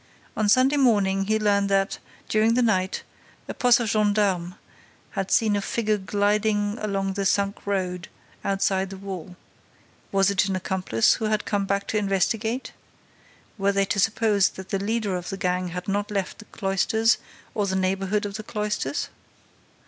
On Sunday morning, he learned that, during the night, a posse of gendarmes had seen a figure gliding along the sunk road, outside the wall. Was it an accomplice who had come back to investigate? Were they to suppose that the leader of the gang had not left the cloisters or the neighborhood of the cloisters?